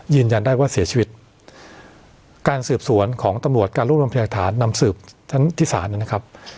ยืนยันได้ว่าเสียชีวิตการสืบสวนของตำรวจการรวบรวมพยาฐานนำสืบทั้งที่ศาลนะครับ